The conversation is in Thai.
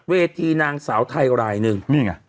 เวทีนางสาวไทยรายหนึ่ง